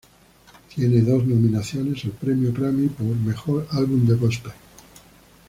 Tiene dos nominaciones al premio Grammy por "Mejor Álbum de Gospel".